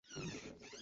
ভাই, আমাকে ছেড়ে দাও।